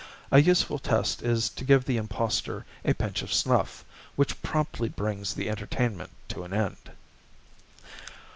A useful test is to give the impostor a pinch of snuff, which promptly brings the entertainment to an end.